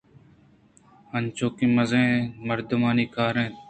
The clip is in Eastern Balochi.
انچوش کہ مزنیں مردمانی کاراَنت